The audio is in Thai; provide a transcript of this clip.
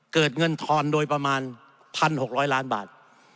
เกิดเงินทอนโดยประมาณ๑๖๐๐ล้านบาท